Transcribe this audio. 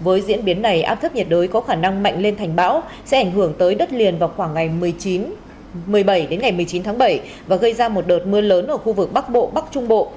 với diễn biến này áp thấp nhiệt đới có khả năng mạnh lên thành bão sẽ ảnh hưởng tới đất liền vào khoảng ngày một mươi bảy đến ngày một mươi chín tháng bảy và gây ra một đợt mưa lớn ở khu vực bắc bộ bắc trung bộ